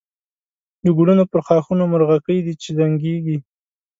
د گلونو پر ښاخونو مرغکۍ دی چی زنگېږی